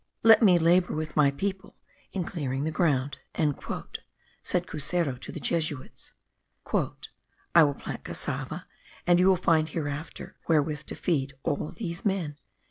"Let me labour with my people in clearing the ground," said Cuseru to the Jesuits; I will plant cassava, and you will find hereafter wherewith to feed all these men."